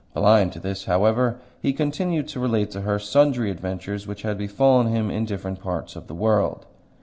Blind to this, however, he continued to relate to her sundry adventures which had befallen him in different parts of the world.